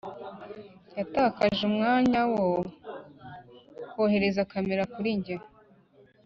yatakaje umwanya wo kohereza kamera kuri njye.